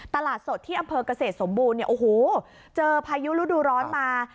ตลาดสดที่อำเภอกเกษตรสมบูรณ์เนี่ยโอ้โหเจอพายุฤดูร้อนมา